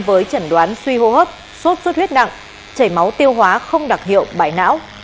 với chẩn đoán suy hô hấp sốt xuất huyết nặng chảy máu tiêu hóa không đặc hiệu bại não